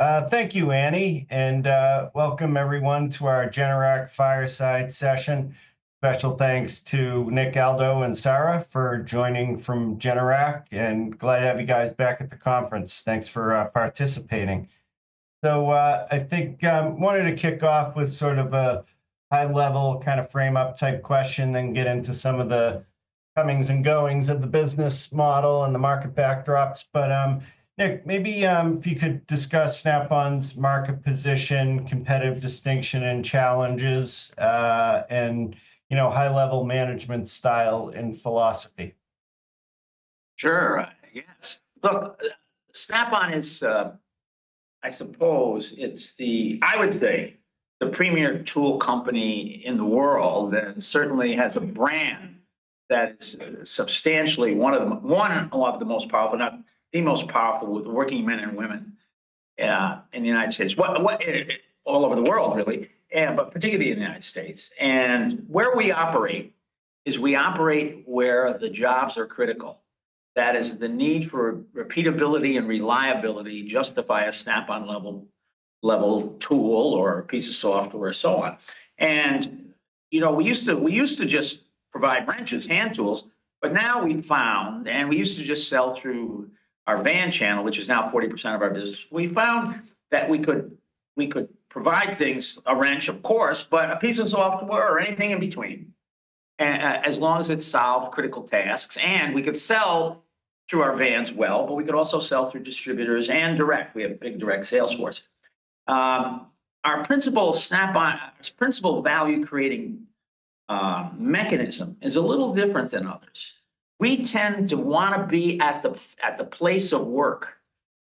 Thank you, Annie, and welcome everyone to our GenEraq Fireside Session. Special thanks to Nick, Aldo, and Sara for joining from GenEraq, and glad to have you guys back at the conference. Thanks for participating. I think I wanted to kick off with sort of a high-level kind of frame-up type question, then get into some of the comings and goings of the business model and the market backdrops. Nick, maybe if you could discuss Snap-on's market position, competitive distinction and challenges, and high-level management style and philosophy. Sure. Yes. Look, Snap-on is, I suppose, it's the, I would say, the premier tool company in the world, and certainly has a brand that is substantially one of the most powerful, if not the most powerful, with working men and women in the United States, all over the world, really, but particularly in the United States. Where we operate is we operate where the jobs are critical. That is, the need for repeatability and reliability justifies a Snap-on level tool or a piece of software or so on. We used to just provide wrenches, hand tools, but now we found, and we used to just sell through our van channel, which is now 40% of our business. We found that we could provide things, a wrench, of course, but a piece of software or anything in between, as long as it solved critical tasks. We could sell through our vans well, but we could also sell through distributors and direct. We have a big direct sales force. Our principal value-creating mechanism is a little different than others. We tend to want to be at the place of work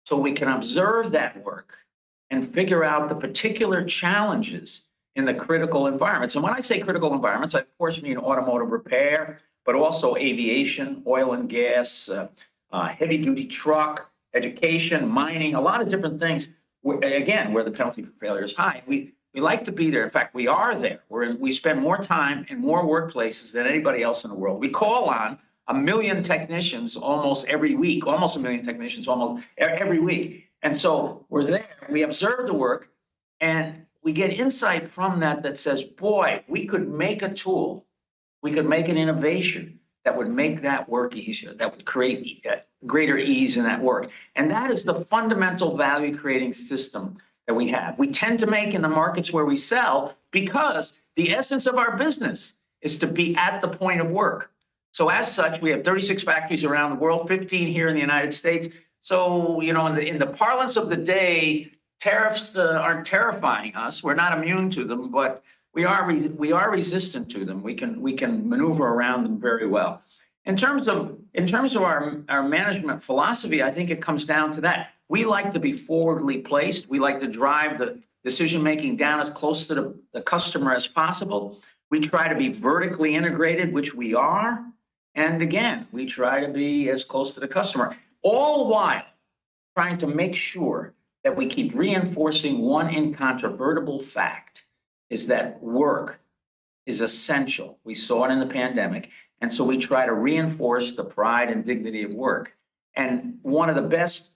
so we can observe that work and figure out the particular challenges in the critical environments. When I say critical environments, I of course mean automotive repair, but also aviation, oil and gas, heavy-duty truck, education, mining, a lot of different things, again, where the penalty for failure is high. We like to be there. In fact, we are there. We spend more time in more workplaces than anybody else in the world. We call on a million technicians almost every week, almost a million technicians almost every week. We are there. We observe the work, and we get insight from that that says, "Boy, we could make a tool. We could make an innovation that would make that work easier, that would create greater ease in that work." That is the fundamental value-creating system that we have. We tend to make in the markets where we sell because the essence of our business is to be at the point of work. As such, we have 36 factories around the world, 15 here in the United States. In the parlance of the day, tariffs are not terrifying us. We are not immune to them, but we are resistant to them. We can maneuver around them very well. In terms of our management philosophy, I think it comes down to that. We like to be forwardly placed. We like to drive the decision-making down as close to the customer as possible. We try to be vertically integrated, which we are. Again, we try to be as close to the customer, all while trying to make sure that we keep reinforcing one incontrovertible fact: work is essential. We saw it in the pandemic. We try to reinforce the pride and dignity of work. One of the best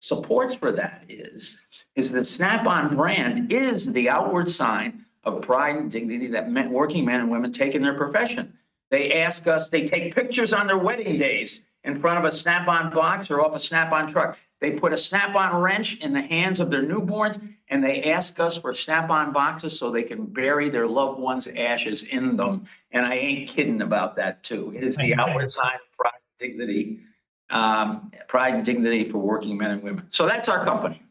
supports for that is that Snap-on brand is the outward sign of pride and dignity that working men and women take in their profession. They ask us, they take pictures on their wedding days in front of a Snap-on box or off a Snap-on truck. They put a Snap-on wrench in the hands of their newborns, and they ask us for Snap-on boxes so they can bury their loved ones' ashes in them. I ain't kidding about that too. It is the outward sign of pride and dignity, pride and dignity for working men and women. That is our company.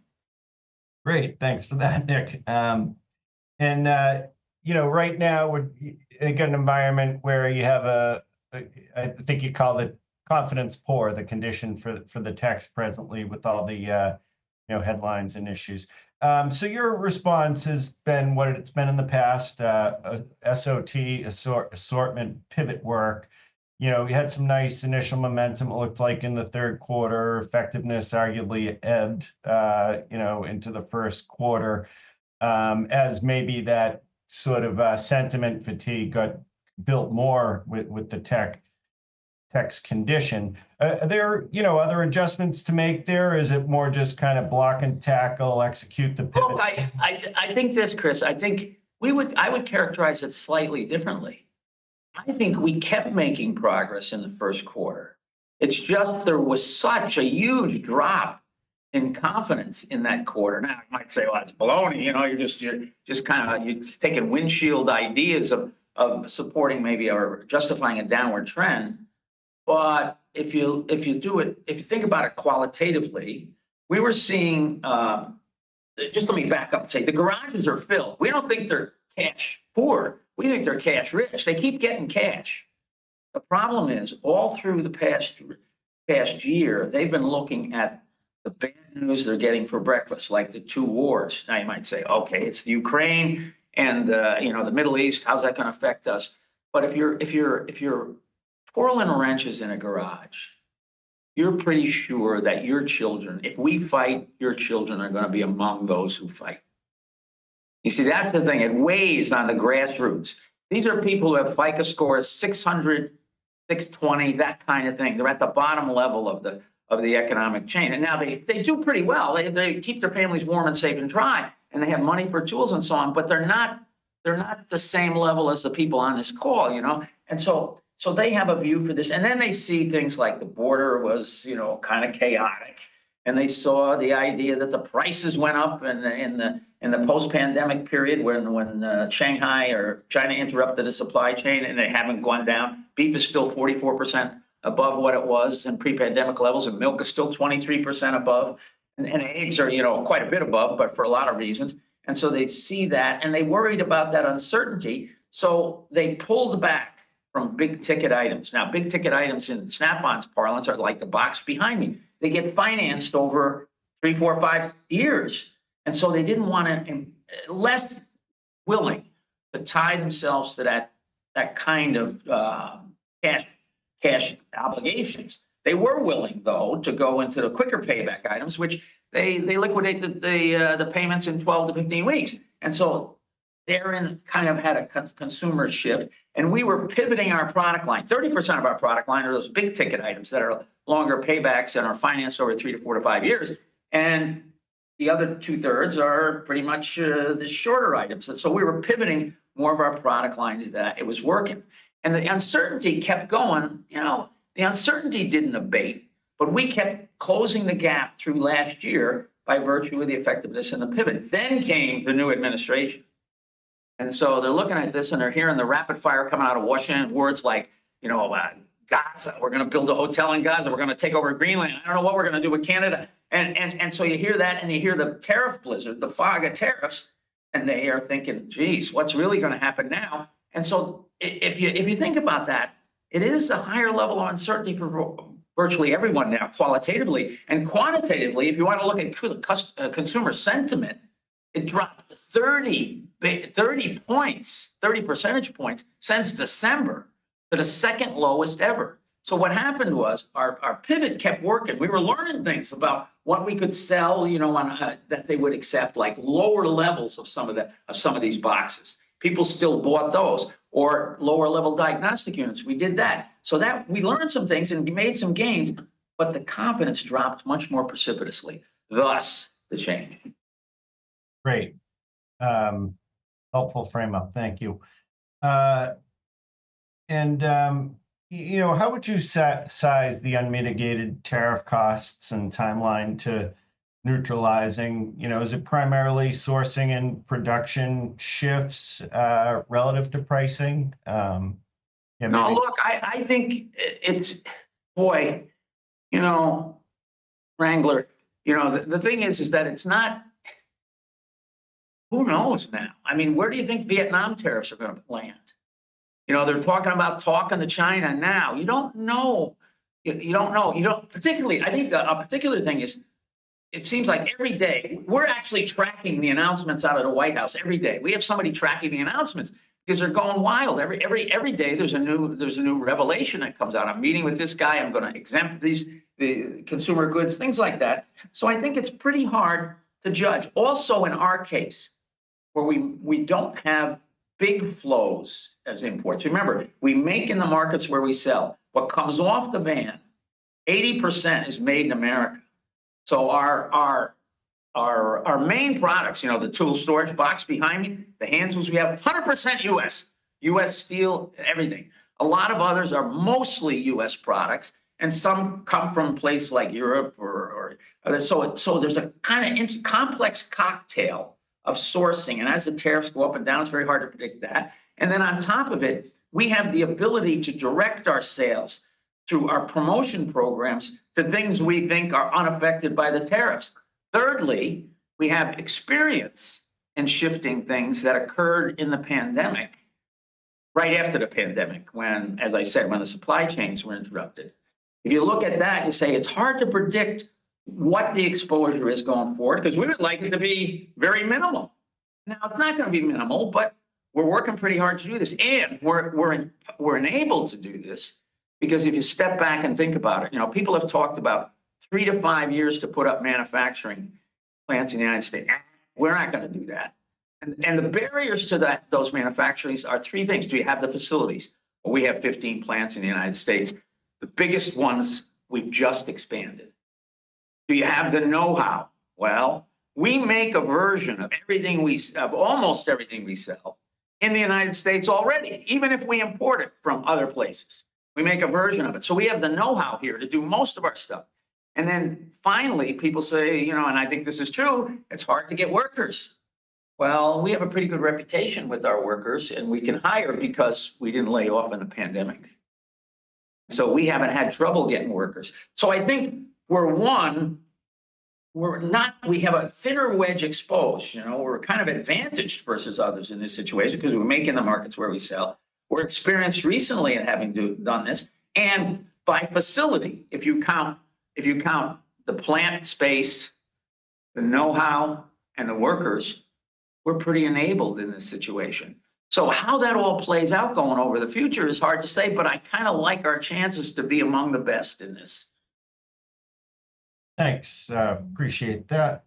Great. Thanks for that, Nick. Right now, we're in an environment where you have a, I think you call it confidence poor, the condition for the techs presently with all the headlines and issues. Your response has been what it's been in the past: SOT, assortment, pivot work. You had some nice initial momentum, it looked like, in the third quarter. Effectiveness arguably ebbed into the first quarter as maybe that sort of sentiment fatigue got built more with the techs' condition. Are there other adjustments to make there? Is it more just kind of block and tackle, execute the pivot? I think this, Chris. I think I would characterize it slightly differently. I think we kept making progress in the first quarter. It's just there was such a huge drop in confidence in that quarter. Now, you might say, "Well, it's baloney." You're just kind of taking windshield ideas of supporting maybe or justifying a downward trend. If you think about it qualitatively, we were seeing, just let me back up and say, the garages are filled. We don't think they're cash poor. We think they're cash rich. They keep getting cash. The problem is, all through the past year, they've been looking at the bad news they're getting for breakfast, like the two wars. Now, you might say, "Okay, it's the Ukraine and the Middle East. How's that going to affect us?" If you're twirling wrenches in a garage, you're pretty sure that your children, if we fight, your children are going to be among those who fight. You see, that's the thing. It weighs on the grassroots. These are people who have FICO scores 600, 620, that kind of thing. They're at the bottom level of the economic chain. Now they do pretty well. They keep their families warm and safe and dry, and they have money for tools and so on, but they're not the same level as the people on this call. They have a view for this. They see things like the border was kind of chaotic, and they saw the idea that the prices went up in the post-pandemic period when Shanghai or China interrupted a supply chain and it hadn't gone down. Beef is still 44% above what it was in pre-pandemic levels, and milk is still 23% above. Eggs are quite a bit above, but for a lot of reasons. They see that, and they worried about that uncertainty. They pulled back from big-ticket items. Now, big-ticket items in Snap-on's parlance are like the box behind me. They get financed over three, four, five years. They did not want to, less willing to tie themselves to that kind of cash obligations. They were willing, though, to go into the quicker payback items, which they liquidated the payments in 12-15 weeks. They kind of had a consumer shift, and we were pivoting our product line. 30% of our product line are those big-ticket items that are longer paybacks and are financed over three to four to five years. The other two-thirds are pretty much the shorter items. We were pivoting more of our product line to that. It was working. The uncertainty kept going. The uncertainty did not abate, but we kept closing the gap through last year by virtue of the effectiveness and the pivot. The new administration came. They are looking at this and they are hearing the rapid fire coming out of Washington, words like, "Gaza. We are going to build a hotel in Gaza. We are going to take over Greenland. I do not know what we are going to do with Canada." You hear that, and you hear the tariff blizzard, the fog of tariffs, and they are thinking, "Geez, what is really going to happen now?" If you think about that, it is a higher level of uncertainty for virtually everyone now, qualitatively. Quantitatively, if you want to look at consumer sentiment, it dropped 30 percentage points since December to the second lowest ever. What happened was our pivot kept working. We were learning things about what we could sell that they would accept, like lower levels of some of these boxes. People still bought those or lower-level diagnostic units. We did that. We learned some things and made some gains, but the confidence dropped much more precipitously. Thus, the change. Great. Helpful frame-up. Thank you. How would you size the unmitigated tariff costs and timeline to neutralizing? Is it primarily sourcing and production shifts relative to pricing? No, look, I think it's, boy, you know, Wrangler. The thing is that it's not, who knows now? I mean, where do you think Vietnam tariffs are going to land? They're talking about talking to China now. You don't know. You don't know. Particularly, I think a particular thing is it seems like every day we're actually tracking the announcements out of the White House. Every day. We have somebody tracking the announcements because they're going wild. Every day there's a new revelation that comes out. I'm meeting with this guy. I'm going to exempt the consumer goods, things like that. I think it's pretty hard to judge. Also, in our case, where we don't have big flows as imports. Remember, we make in the markets where we sell. What comes off the van, 80% is made in America. Our main products, the tool storage box behind me, the hand tools we have, 100% U.S., U.S. steel, everything. A lot of others are mostly U.S. products, and some come from places like Europe. There is a kind of complex cocktail of sourcing. As the tariffs go up and down, it is very hard to predict that. On top of it, we have the ability to direct our sales through our promotion programs to things we think are unaffected by the tariffs. Thirdly, we have experience in shifting things that occurred in the pandemic, right after the pandemic, when, as I said, when the supply chains were interrupted. If you look at that, you say it is hard to predict what the exposure is going forward because we would like it to be very minimal. Now, it's not going to be minimal, but we're working pretty hard to do this. We're enabled to do this because if you step back and think about it, people have talked about three to five years to put up manufacturing plants in the U.S. We're not going to do that. The barriers to those manufacturings are three things. Do you have the facilities? We have 15 plants in the U.S. The biggest ones, we've just expanded. Do you have the know-how? We make a version of almost everything we sell in the U.S. already, even if we import it from other places. We make a version of it. We have the know-how here to do most of our stuff. Finally, people say, and I think this is true, it's hard to get workers. We have a pretty good reputation with our workers, and we can hire because we did not lay off in the pandemic. We have not had trouble getting workers. I think we are, one, we have a thinner wedge exposed. We are kind of advantaged versus others in this situation because we are making the markets where we sell. We are experienced recently in having done this. By facility, if you count the plant space, the know-how, and the workers, we are pretty enabled in this situation. How that all plays out going over the future is hard to say, but I kind of like our chances to be among the best in this. Thanks. Appreciate that.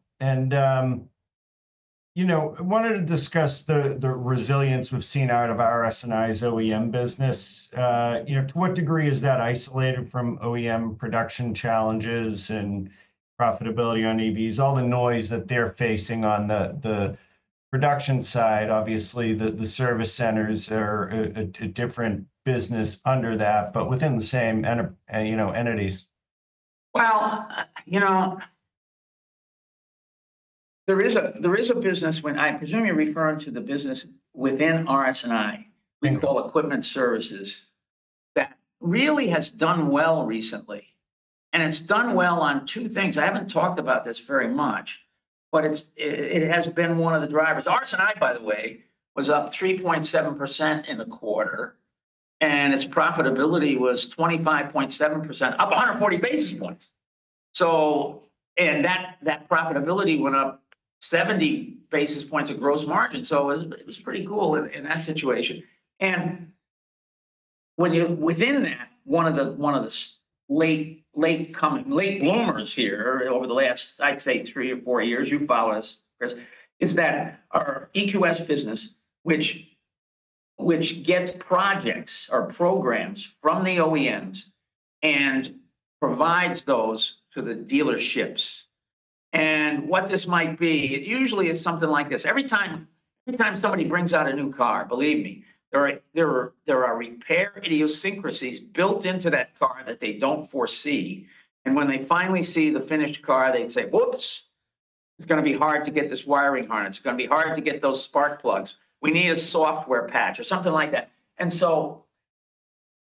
I wanted to discuss the resilience we've seen out of our RS&I's OEM business. To what degree is that isolated from OEM production challenges and profitability on EVs, all the noise that they're facing on the production side? Obviously, the service centers are a different business under that, but within the same entities. There is a business, I presume you're referring to the business within RS&I, we call equipment services, that really has done well recently. It has done well on two things. I haven't talked about this very much, but it has been one of the drivers. RS&I, by the way, was up 3.7% in the quarter, and its profitability was 25.7%, up 140 basis points. That profitability went up 70 basis points of gross margin. It was pretty cool in that situation. Within that, one of the late bloomers here over the last, I'd say, three or four years, you follow us, Chris, is that our EQS business, which gets projects or programs from the OEMs and provides those to the dealerships. What this might be, it usually is something like this. Every time somebody brings out a new car, believe me, there are repair idiosyncrasies built into that car that they do not foresee. When they finally see the finished car, they would say, "Whoops, it is going to be hard to get this wiring harness. It is going to be hard to get those spark plugs. We need a software patch or something like that."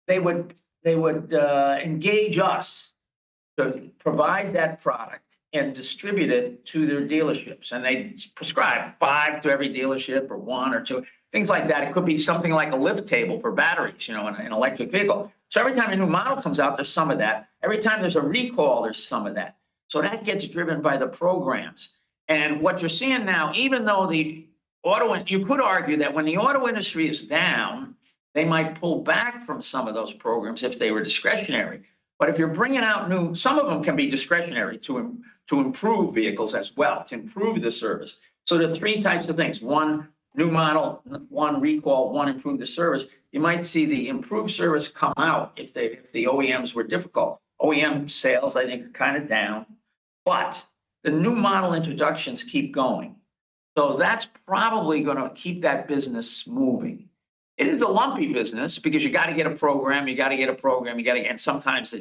They would engage us to provide that product and distribute it to their dealerships. They prescribe five to every dealership or one or two, things like that. It could be something like a lift table for batteries in an electric vehicle. Every time a new model comes out, there is some of that. Every time there is a recall, there is some of that. That gets driven by the programs. What you're seeing now, even though you could argue that when the auto industry is down, they might pull back from some of those programs if they were discretionary. If you're bringing out new, some of them can be discretionary to improve vehicles as well, to improve the service. There are three types of things. One, new model. One, recall. One, improve the service. You might see the improved service come out if the OEMs were difficult. OEM sales, I think, are kind of down. The new model introductions keep going. That's probably going to keep that business moving. It is a lumpy business because you got to get a program. You got to get a program. Sometimes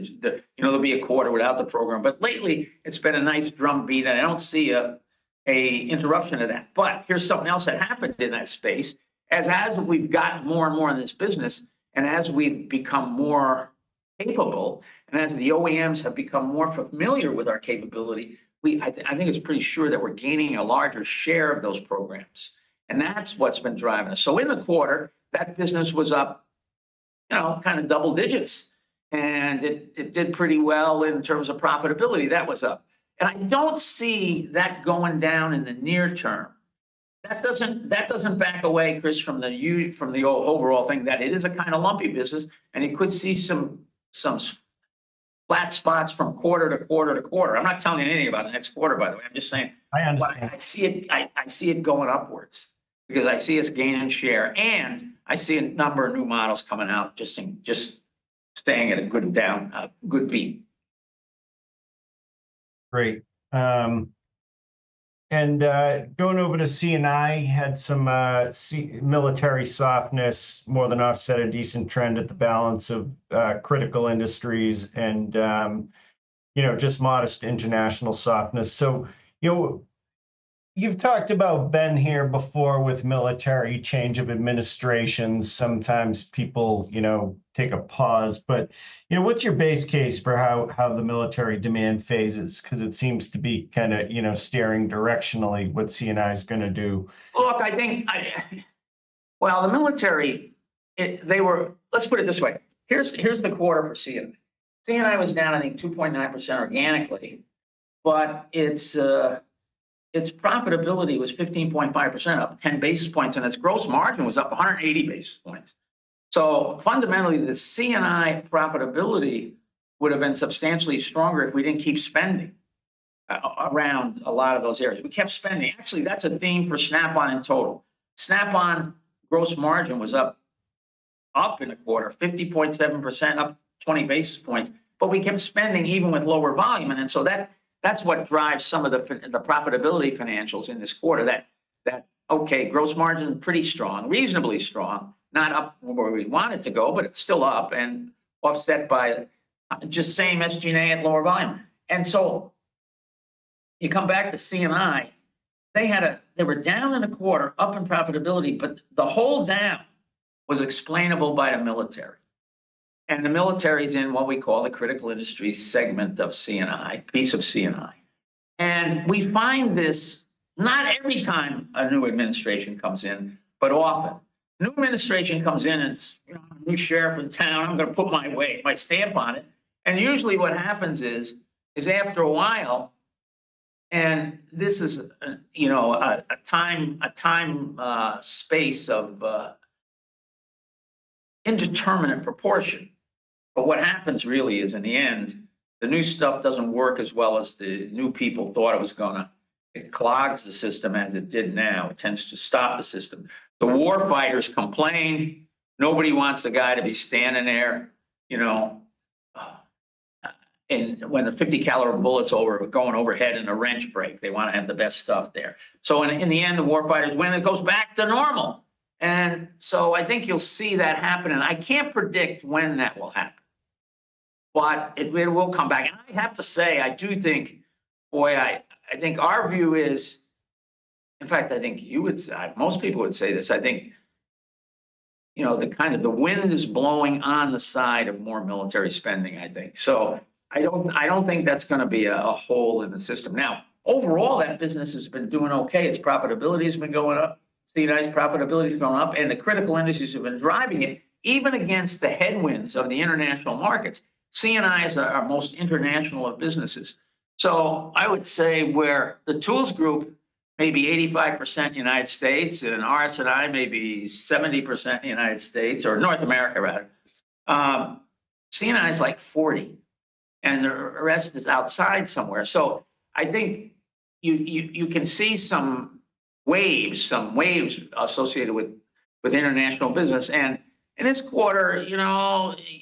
there'll be a quarter without the program. Lately, it's been a nice drumbeat, and I don't see an interruption to that. Here's something else that happened in that space. As we've gotten more and more in this business, and as we've become more capable, and as the OEMs have become more familiar with our capability, I think it's pretty sure that we're gaining a larger share of those programs. That's what's been driving us. In the quarter, that business was up kind of double digits. It did pretty well in terms of profitability. That was up. I don't see that going down in the near term. That doesn't back away, Chris, from the overall thing that it is a kind of lumpy business, and you could see some flat spots from quarter to quarter to quarter. I'm not telling you anything about the next quarter, by the way. I'm just saying. I understand. I see it going upwards because I see us gaining share. I see a number of new models coming out just staying at a good beat. Great. Going over to C&I, had some military softness more than offset a decent trend at the balance of critical industries and just modest international softness. You have talked about, been here before with military change of administration. Sometimes people take a pause. What is your base case for how the military demand phases? It seems to be kind of steering directionally what C&I is going to do. Look, I think, the military, let's put it this way. Here's the quarter for C&I. C&I was down, I think, 2.9% organically. Its profitability was 15.5%, up 10 basis points. Its gross margin was up 180 basis points. Fundamentally, the C&I profitability would have been substantially stronger if we did not keep spending around a lot of those areas. We kept spending. Actually, that's a theme for Snap-on in total. Snap-on gross margin was up in the quarter, 50.7%, up 20 basis points. We kept spending even with lower volume. That is what drives some of the profitability financials in this quarter. Gross margin pretty strong, reasonably strong, not up where we want it to go, but it is still up and offset by just same SG&A at lower volume. You come back to C&I, they were down in the quarter, up in profitability, but the whole down was explainable by the military. The military is in what we call the critical industry segment of C&I, piece of C&I. We find this not every time a new administration comes in, but often. New administration comes in, it's a new sheriff in town. I'm going to put my stamp on it. Usually what happens is after a while, and this is a time space of indeterminate proportion. What happens really is in the end, the new stuff does not work as well as the new people thought it was going to. It clogs the system as it did now. It tends to stop the system. The war fighters complain. Nobody wants the guy to be standing there. When the 50-caliber bullets are going overhead and the wrench breaks, they want to have the best stuff there. In the end, the war fighters, when it goes back to normal. I think you'll see that happen. I can't predict when that will happen, but it will come back. I have to say, I do think, boy, I think our view is, in fact, I think most people would say this. I think the wind is blowing on the side of more military spending, I think. I don't think that's going to be a hole in the system. Now, overall, that business has been doing okay. Its profitability has been going up. C&I's profitability has gone up. The critical industries have been driving it, even against the headwinds of the international markets. C&I is our most international of businesses. I would say where the tools group, maybe 85% United States, and RS&I maybe 70% United States or North America, rather. C&I is like 40, and the rest is outside somewhere. I think you can see some waves associated with international business. In this quarter,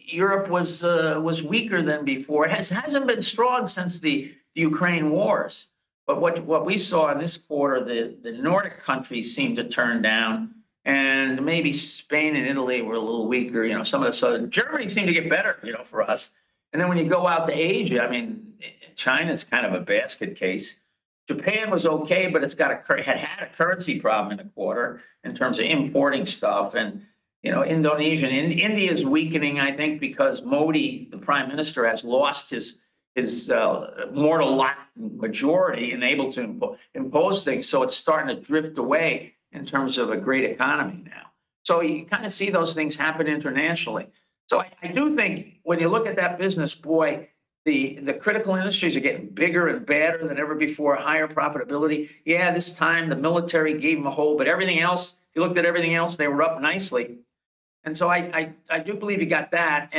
Europe was weaker than before. It has not been strong since the Ukraine wars. What we saw in this quarter, the Nordic countries seemed to turn down. Maybe Spain and Italy were a little weaker. Germany seemed to get better for us. When you go out to Asia, I mean, China is kind of a basket case. Japan was okay, but it had a currency problem in the quarter in terms of importing stuff. Indonesia, and India is weakening, I think, because Modi, the prime minister, has lost his mortal lot majority and able to impose things. It's starting to drift away in terms of a great economy now. You kind of see those things happen internationally. I do think when you look at that business, boy, the critical industries are getting bigger and better than ever before, higher profitability. This time, the military gave them a hold. Everything else, you looked at everything else, they were up nicely. I do believe you got that.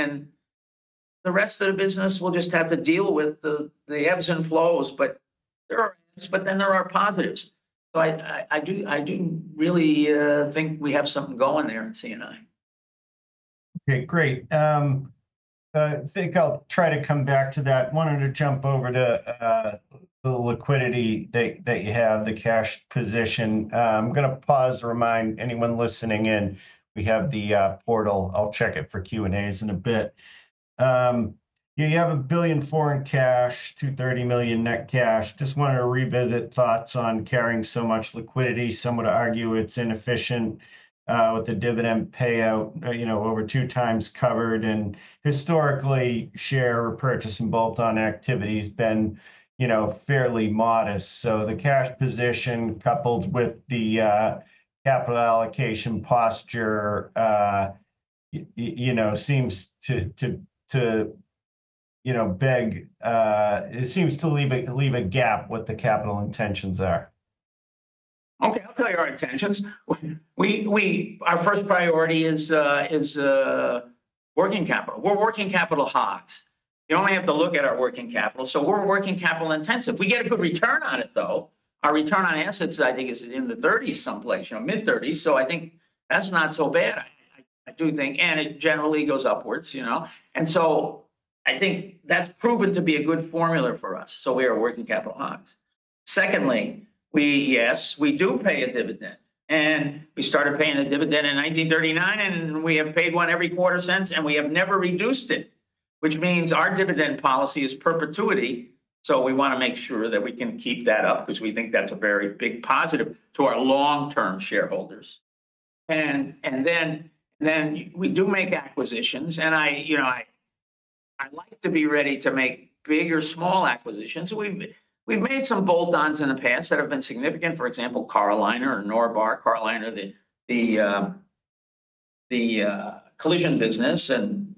The rest of the business will just have to deal with the ebbs and flows. There are ebbs, but then there are positives. I do really think we have something going there in C&I. Okay. Great. I think I'll try to come back to that. Wanted to jump over to the liquidity that you have, the cash position. I'm going to pause to remind anyone listening in. We have the portal. I'll check it for Q&As in a bit. You have $1 billion foreign cash, $230 million net cash. Just wanted to revisit thoughts on carrying so much liquidity. Some would argue it's inefficient with the dividend payout over two times covered. Historically, share purchase and bolt-on activity has been fairly modest. The cash position, coupled with the capital allocation posture, seems to beg, it seems to leave a gap with the capital intentions there. Okay. I'll tell you our intentions. Our first priority is working capital. We're working capital hogs. You only have to look at our working capital. We're working capital intensive. We get a good return on it, though. Our return on assets, I think, is in the 30s someplace, mid-30s. I think that's not so bad, I do think. It generally goes upwards. I think that's proven to be a good formula for us. We are working capital hogs. Secondly, yes, we do pay a dividend. We started paying a dividend in 1939, and we have paid one every quarter since, and we have never reduced it, which means our dividend policy is perpetuity. We want to make sure that we can keep that up because we think that's a very big positive to our long-term shareholders. We do make acquisitions. I like to be ready to make big or small acquisitions. We've made some bolt-ons in the past that have been significant. For example, Car-O-Liner or Norbar, Car-O-Liner, the collision business, and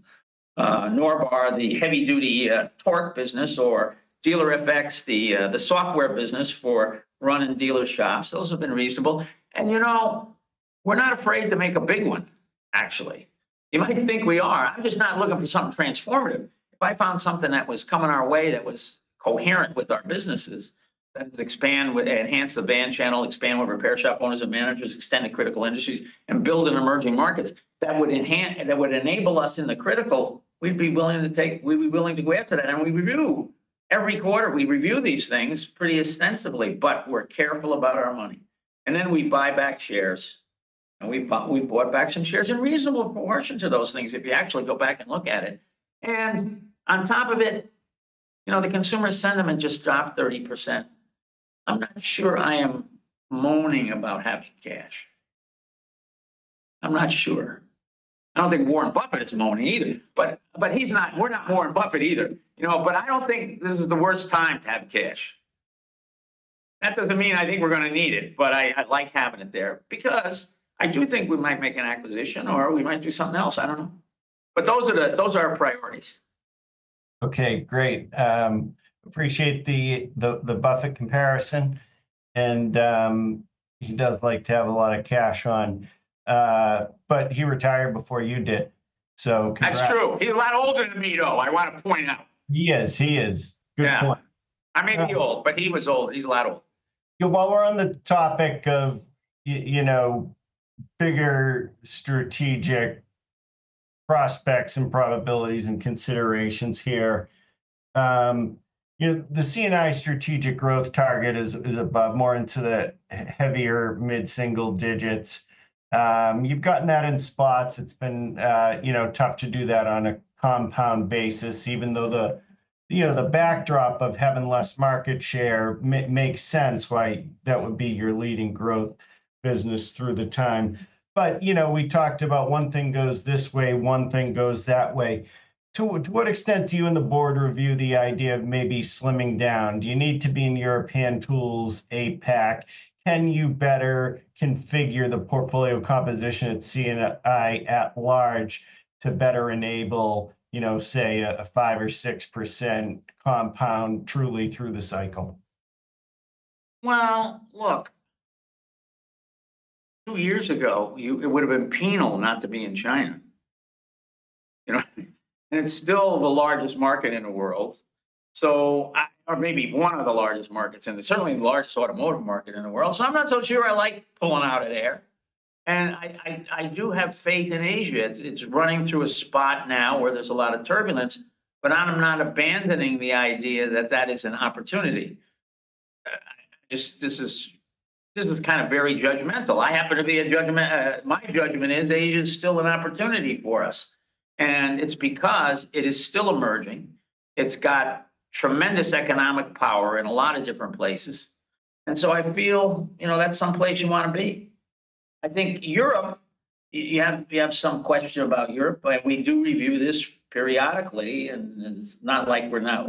Norbar, the heavy-duty torque business, or Dealer-FX, the software business for running dealer shops. Those have been reasonable. We're not afraid to make a big one, actually. You might think we are. I'm just not looking for something transformative. If I found something that was coming our way that was coherent with our businesses, that is, expand, enhance the van channel, expand with repair shop owners and managers, extend to critical industries, and build in emerging markets that would enable us in the critical, we'd be willing to take, we'd be willing to go after that. We review every quarter. We review these things pretty extensively, but we're careful about our money. We buy back shares. We have bought back some shares in reasonable proportion to those things if you actually go back and look at it. On top of it, the consumer sentiment just dropped 30%. I'm not sure I am moaning about having cash. I'm not sure. I don't think Warren Buffett is moaning either. We are not Warren Buffett either. I don't think this is the worst time to have cash. That does not mean I think we are going to need it, but I like having it there because I do think we might make an acquisition or we might do something else. I do not know. Those are our priorities. Okay. Great. Appreciate the Buffett comparison. He does like to have a lot of cash on. He retired before you did, so. That's true. He's a lot older than me, though, I want to point out. He is. Good point. I may be old, but he was old. He's a lot older. While we're on the topic of bigger strategic prospects and probabilities and considerations here, the C&I strategic growth target is above, more into the heavier mid-single digits. You've gotten that in spots. It's been tough to do that on a compound basis, even though the backdrop of having less market share makes sense why that would be your leading growth business through the time. We talked about one thing goes this way, one thing goes that way. To what extent do you and the board review the idea of maybe slimming down? Do you need to be in European tools, APAC? Can you better configure the portfolio composition at C&I at large to better enable, say, a 5% or 6% compound truly through the cycle? Look, two years ago, it would have been penal not to be in China. It is still the largest market in the world, or maybe one of the largest markets in the certainly large automotive market in the world. I am not so sure I like pulling out of there. I do have faith in Asia. It is running through a spot now where there is a lot of turbulence, but I am not abandoning the idea that that is an opportunity. This is kind of very judgmental. I happen to be a judgment. My judgment is Asia is still an opportunity for us. It is because it is still emerging. It has tremendous economic power in a lot of different places. I feel that is some place you want to be. I think Europe, you have some question about Europe. We do review this periodically. It is not like we're not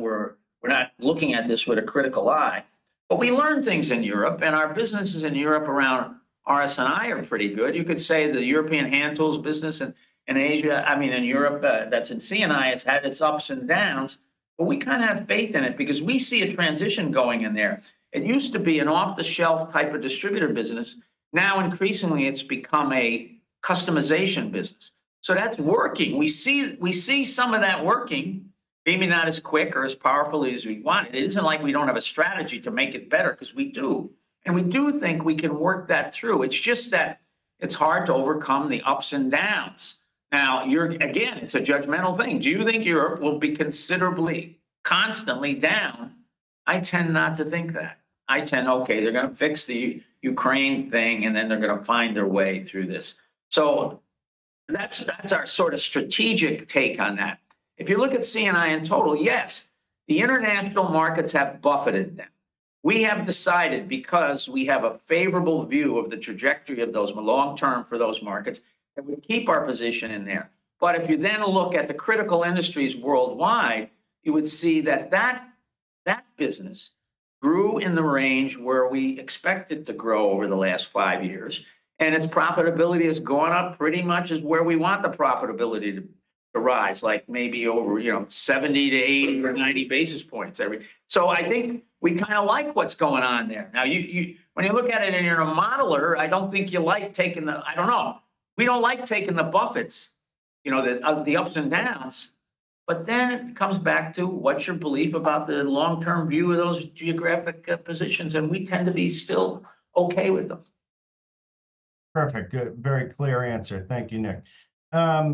looking at this with a critical eye. We learn things in Europe. Our businesses in Europe around RS&I are pretty good. You could say the European hand tools business in Asia, I mean, in Europe that's in C&I has had its ups and downs. We kind of have faith in it because we see a transition going in there. It used to be an off-the-shelf type of distributor business. Now, increasingly, it has become a customization business. That is working. We see some of that working, maybe not as quick or as powerfully as we want it. It is not like we do not have a strategy to make it better because we do. We do think we can work that through. It is just that it is hard to overcome the ups and downs. Again, it is a judgmental thing. Do you think Europe will be considerably constantly down? I tend not to think that. I tend, okay, they're going to fix the Ukraine thing, and then they're going to find their way through this. That is our sort of strategic take on that. If you look at C&I in total, yes, the international markets have buffeted them. We have decided because we have a favorable view of the trajectory of those long-term for those markets that we keep our position in there. If you then look at the critical industries worldwide, you would see that that business grew in the range where we expect it to grow over the last five years. Its profitability has gone up pretty much as where we want the profitability to rise, like maybe over 70-80 or 90 basis points. I think we kind of like what's going on there. Now, when you look at it and you're a modeler, I don't think you like taking the, I don't know. We don't like taking the Buffett's, the ups and downs. Then it comes back to what's your belief about the long-term view of those geographic positions? We tend to be still okay with them. Perfect. Good. Very clear answer. Thank you, Nick. I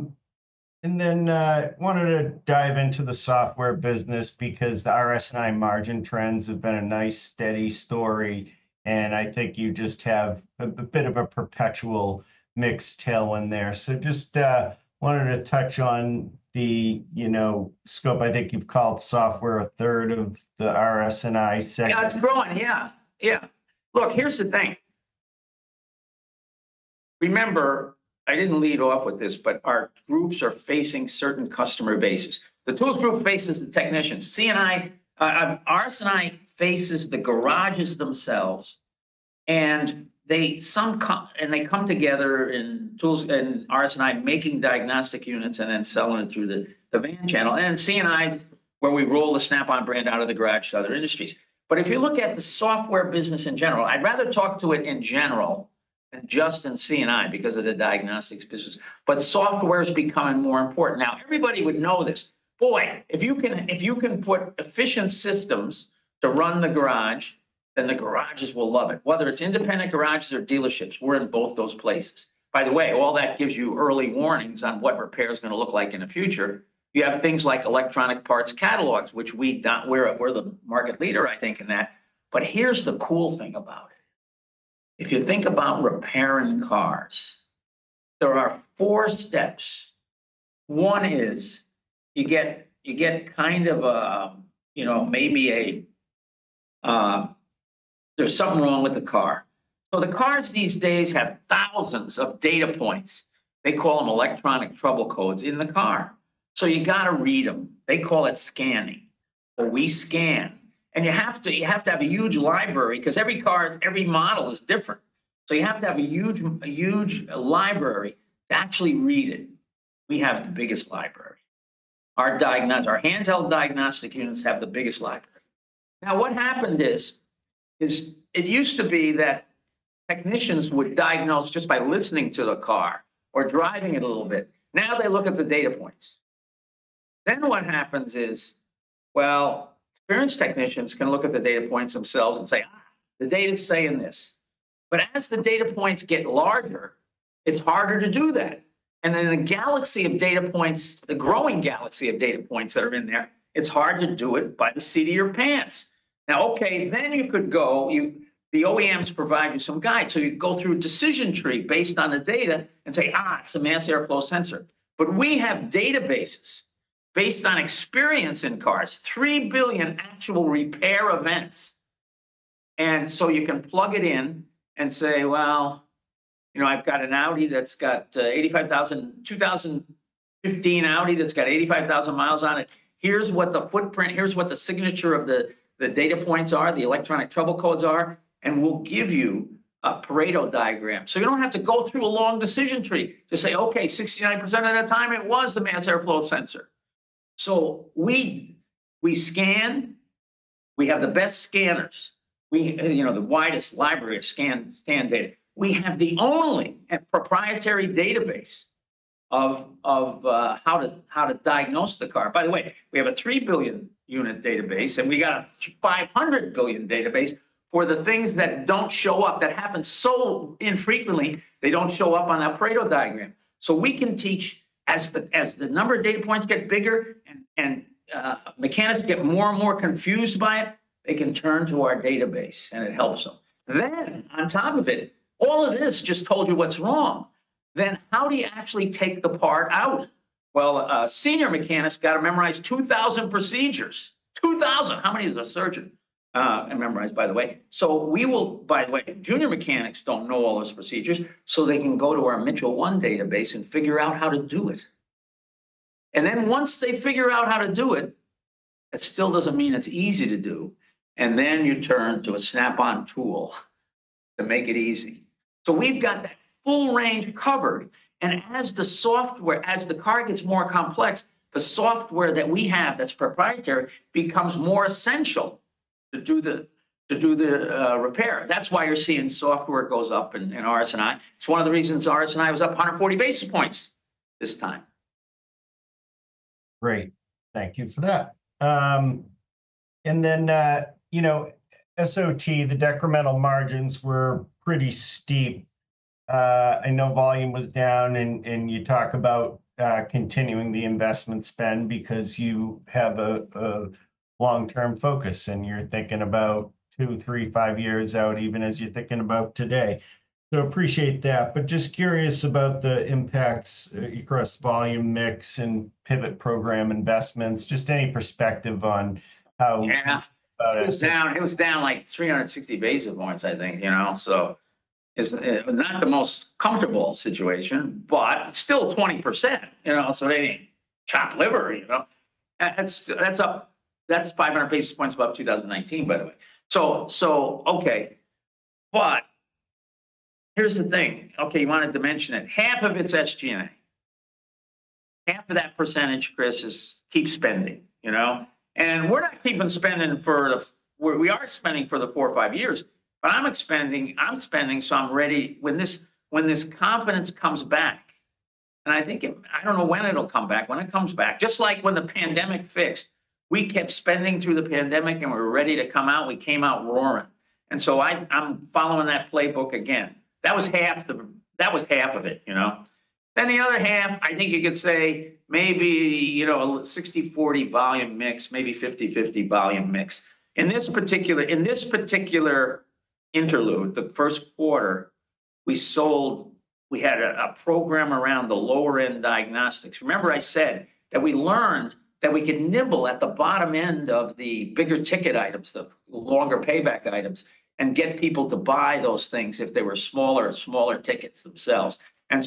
wanted to dive into the software business because the RS&I margin trends have been a nice steady story. I think you just have a bit of a perpetual mixed tail in there. I just wanted to touch on the scope. I think you've called software a third of the RS&I segment. Yeah, it's growing. Yeah. Yeah. Look, here's the thing. Remember, I didn't lead off with this, but our groups are facing certain customer bases. The tools group faces the technicians. RS&I faces the garages themselves. They come together in RS&I making diagnostic units and then selling it through the van channel. C&I is where we roll the Snap-on brand out of the garage to other industries. If you look at the software business in general, I'd rather talk to it in general than just in C&I because of the diagnostics business. Software is becoming more important. Now, everybody would know this. Boy, if you can put efficient systems to run the garage, then the garages will love it. Whether it's independent garages or dealerships, we're in both those places. By the way, all that gives you early warnings on what repair is going to look like in the future. You have things like electronic parts catalogs, which we're the market leader, I think, in that. Here's the cool thing about it. If you think about repairing cars, there are four steps. One is you get kind of maybe there's something wrong with the car. The cars these days have thousands of data points. They call them electronic trouble codes in the car. You have to read them. They call it scanning. We scan. You have to have a huge library because every car, every model is different. You have to have a huge library to actually read it. We have the biggest library. Our handheld diagnostic units have the biggest library. Now, what happened is it used to be that technicians would diagnose just by listening to the car or driving it a little bit. Now they look at the data points. Then what happens is, experienced technicians can look at the data points themselves and say, "The data is saying this." As the data points get larger, it's harder to do that. The galaxy of data points, the growing galaxy of data points that are in there, it's hard to do it by the seat of your pants. Okay, you could go, the OEMs provide you some guide. You go through a decision tree based on the data and say, "It's a mass airflow sensor." We have databases based on experience in cars, 3 billion actual repair events. You can plug it in and say, "I've got an Audi, a 2015 Audi that's got 85,000 miles on it. Here's what the footprint, here's what the signature of the data points are, the electronic trouble codes are. We'll give you a Pareto diagram." You do not have to go through a long decision tree to say, "Okay, 69% of the time, it was the mass airflow sensor." We scan. We have the best scanners, the widest library of scan data. We have the only proprietary database of how to diagnose the car. By the way, we have a 3 billion unit database, and we have a 500 billion database for the things that do not show up that happen so infrequently. They do not show up on that Pareto diagram. We can teach as the number of data points get bigger and mechanics get more and more confused by it, they can turn to our database, and it helps them. On top of it, all of this just told you what's wrong. How do you actually take the part out? A senior mechanic has to memorize 2,000 procedures. 2,000. How many does a surgeon memorize, by the way? By the way, junior mechanics don't know all those procedures, so they can go to our Mitchell One database and figure out how to do it. Once they figure out how to do it, it still doesn't mean it's easy to do. You turn to a Snap-on tool to make it easy. We've got that full range covered. As the software, as the car gets more complex, the software that we have that's proprietary becomes more essential to do the repair. That's why you're seeing software goes up in RS&I. It's one of the reasons RS&I was up 140 basis points this time. Great. Thank you for that. SOT, the decremental margins were pretty steep. I know volume was down, and you talk about continuing the investment spend because you have a long-term focus, and you're thinking about two, three, five years out, even as you're thinking about today. I appreciate that. Just curious about the impacts across volume mix and pivot program investments. Just any perspective on how. Yeah. It was down like 360 basis points, I think. It is not the most comfortable situation, but still 20%. They did not chop liver. That is 500 basis points above 2019, by the way. Okay. Here is the thing. You wanted to mention it. Half of it is SG&A. Half of that percentage, Chris, is keep spending. We are not keeping spending for the we are spending for the four or five years, but I am spending so I am ready when this confidence comes back. I do not know when it will come back. When it comes back, just like when the pandemic fixed, we kept spending through the pandemic, and we were ready to come out. We came out roaring. I am following that playbook again. That was half of it. The other half, I think you could say maybe 60/40 volume mix, maybe 50/50 volume mix. In this particular interlude, the first quarter, we had a program around the lower-end diagnostics. Remember I said that we learned that we could nibble at the bottom end of the bigger ticket items, the longer payback items, and get people to buy those things if they were smaller, smaller tickets themselves.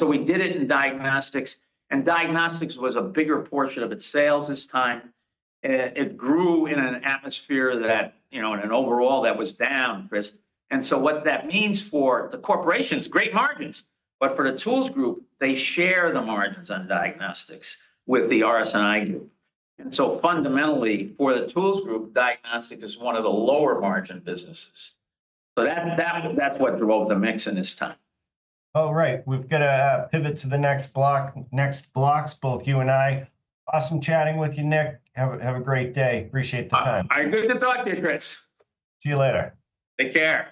We did it in diagnostics. Diagnostics was a bigger portion of its sales this time. It grew in an atmosphere that, overall, that was down, Chris. What that means for the corporation is great margins. For the tools group, they share the margins on diagnostics with the RS&I group. Fundamentally, for the tools group, diagnostics is one of the lower-margin businesses. That is what drove the mix in this time. All right. We've got to pivot to the next blocks, both you and I. Awesome chatting with you, Nick. Have a great day. Appreciate the time. All right. Good to talk to you, Chris. See you later. Take care.